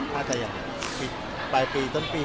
ถ้าจะอย่างบินปลายปีจนปี